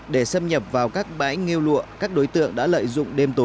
để xâm nhập vào các bãi nghêu lụa các đối tượng đã lợi dụng đêm tối